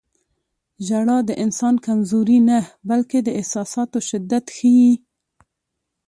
• ژړا د انسان کمزوري نه، بلکې د احساساتو شدت ښيي.